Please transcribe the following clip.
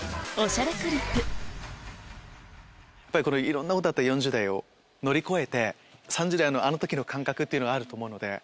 いろんなことあった４０代を乗り越えて３０代のあの時の感覚っていうのがあると思うので。